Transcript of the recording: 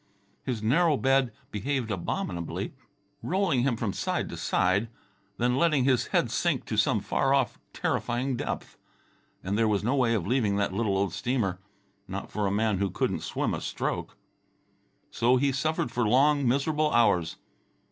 His narrow bed behaved abominably, rolling him from side to side, then letting his head sink to some far off terrifying depth. And there was no way of leaving that little old steamer ... not for a man who couldn't swim a stroke. So he suffered for long miserable hours.